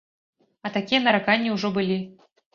А такія нараканні ўжо былі.